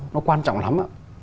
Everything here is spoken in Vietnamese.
nó quan trọng lắm ạ